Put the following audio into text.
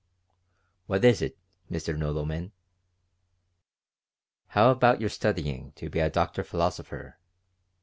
"What is it, Mr. Nodelman?" "How about your studying to be a doctor philosopher?"